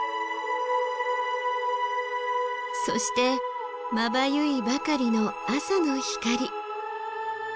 そしてまばゆいばかりの朝の光。